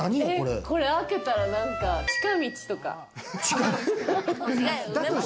これ開けたら近道とか？